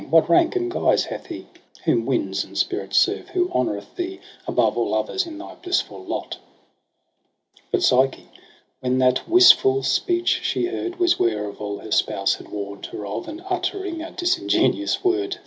What rank and guise hath he, Whom winds and spirits serve, who honoureth thee Above aU others in thy blissful lot ?' lo But Psyche when that wistful speech she heard Was ware of all her spouse had warn'd her of: And uttering a disingenuous word.